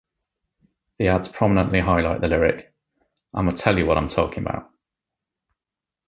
The ads prominently highlight the lyric, I'ma tell you what I'm talkin' 'bout.